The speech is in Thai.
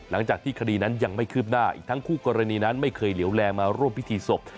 หลังจากที่คดีนั้นยังไม่คืบหน้าอีกทั้งคู่กรณีนั้นไม่เคยเหลวแลมาร่วมพิธีศพ